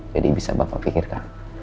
jadi bisa bapak pikirkan